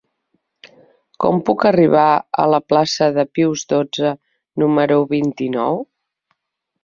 Com puc arribar a la plaça de Pius dotze número vint-i-nou?